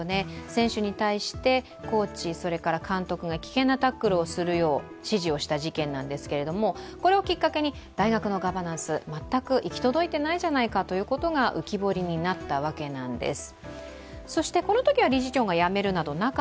選手に対してコーチ、監督が危険なタックルをするよう指示をした事件ですが、これをきっかけに大学のガバナンス全く行き届いていないじゃないかということが浮き彫りになったわけなんです。